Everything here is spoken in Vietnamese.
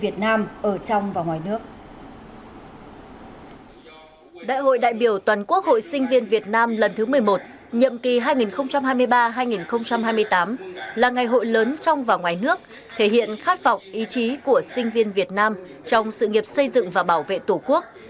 trậm kỳ hai nghìn hai mươi ba hai nghìn hai mươi tám là ngày hội lớn trong và ngoài nước thể hiện khát vọng ý chí của sinh viên việt nam trong sự nghiệp xây dựng và bảo vệ tổ quốc